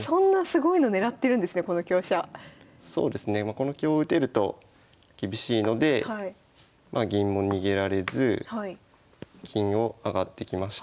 この香を打てると厳しいのでまあ銀も逃げられず金を上がってきました。